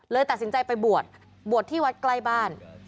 ตัดสินใจไปบวชบวชที่วัดใกล้บ้าน